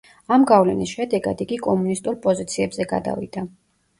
ამ გავლენის შედეგად იგი კომუნისტურ პოზიციებზე გადავიდა.